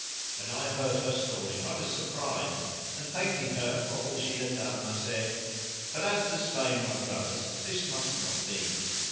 When I heard her story I was surprised and, thanking her for all she had done, I said, "But as to slaying my brothers this must not be."